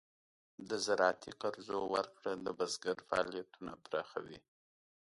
د زراعتي قرضو ورکړه د بزګر فعالیتونه پراخوي.